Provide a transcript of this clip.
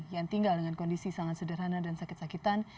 yang tinggal dengan kondisi sangat sederhana dan sakit sakitan